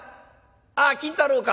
あっ金太郎か。